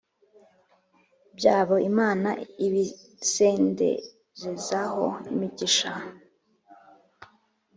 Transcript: byabo imana ibisenderezaho imigisha,